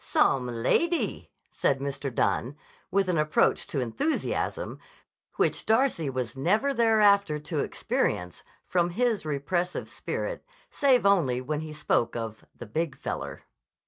"Some lady!" said Mr. Dunne with an approach to enthusiasm which Darcy was never thereafter to experience from his repressive spirit, save only when he spoke of the "Big Feller."